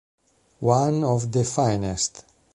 One of the Finest